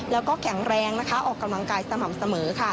แล้วก็แข็งแรงนะคะออกกำลังกายสม่ำเสมอค่ะ